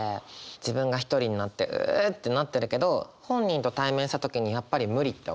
自分が一人になってううってなってるけど本人と対面した時にやっぱり無理って思っちゃう。